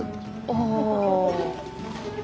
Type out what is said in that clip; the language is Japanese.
ああ。